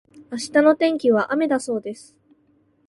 明日の天気は雨だそうです。